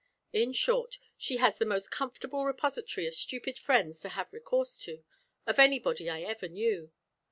In short, she has the most comfortable repository of stupid friends to have recourse to, of anybody I ever knew.